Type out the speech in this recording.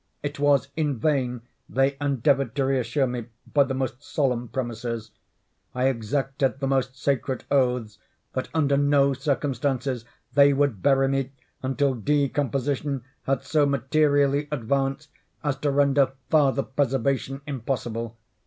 It was in vain they endeavored to reassure me by the most solemn promises. I exacted the most sacred oaths, that under no circumstances they would bury me until decomposition had so materially advanced as to render farther preservation impossible.